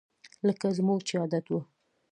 لکه زموږ چې عادت وو